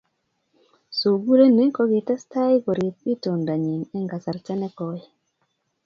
Sugulini kokitestai koriip itondanyi eng kasarta ne koi.